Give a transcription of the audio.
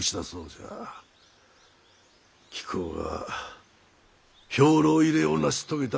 貴公が兵糧入れを成し遂げた